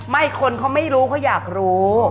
คนเขาไม่รู้เขาอยากรู้